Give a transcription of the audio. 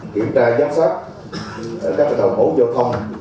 kiểm tra giám sát ở các hệ thống hỗ trợ không